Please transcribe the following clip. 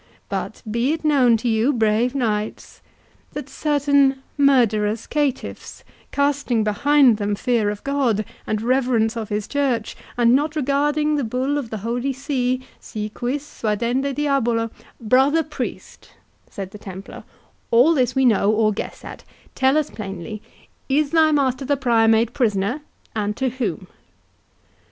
—But be it known to you, brave knights, that certain murderous caitiffs, casting behind them fear of God, and reverence of his church, and not regarding the bull of the holy see, 'Si quis, suadende Diabolo'—" "Brother priest," said the Templar, "all this we know or guess at—tell us plainly, is thy master, the Prior, made prisoner, and to whom?"